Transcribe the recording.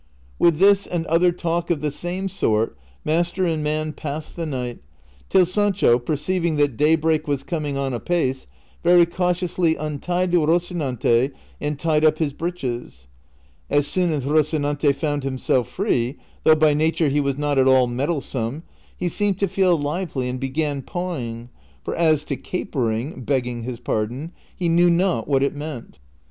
With this and other talk of the same sort master and man passed the night, till Sancho, perceiving that daybreak was coming on apace, very cautiously untied liocinante and tied up his breeches. As soon as Rocinante found himself free, though by nature he was not at all mettlesome, he seemed to feel lively and began pawing — for as to capering, begging his pardon, he knew not what it meant.